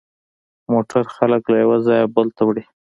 موټر خلک له یوه ځایه بل ته وړي.